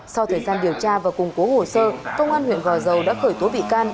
sau thời gian điều tra và củng cố hồ sơ công an huyện gò dầu đã khởi tố bị can